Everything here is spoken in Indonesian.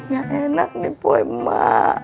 ya enak nih poy ma